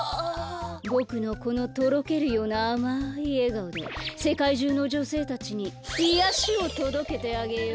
ぼくのこのとろけるようなあまいえがおでせかいじゅうのじょせいたちにいやしをとどけてあげよう。